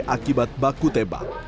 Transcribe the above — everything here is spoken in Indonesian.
akibat baku tembak